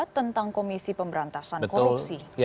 tentang komisi pemberantasan korupsi